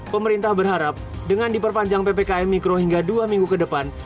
pemerintah berharap dengan diperpanjang ppkm mikro hingga dua minggu ke depan